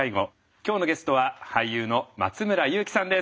今日のゲストは俳優の松村雄基さんです。